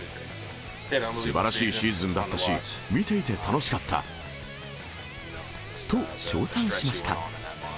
すばらしいシーズンだったし、見ていて楽しかった。と、称賛しました。